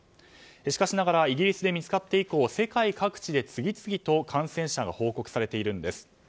しかしながら、イギリスで見つかって以降、世界各地で次々と感染者が報告されているんです。